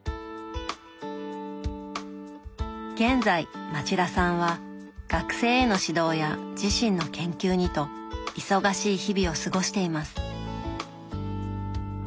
現在町田さんは学生への指導や自身の研究にと忙しい日々を過ごしています。